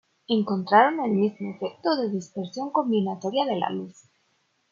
Encontraron el mismo efecto de dispersión combinatoria de la luz.